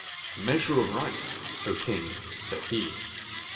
"A measure of rice, O King!" said he.